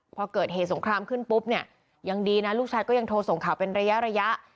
พอเกิดเหตุสงครามขึ้นปุ๊บเนี่ยยังดีนะลูกชายก็ยังโทรส่งข่าวเป็นระยะระยะ